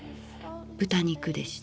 豚肉でした。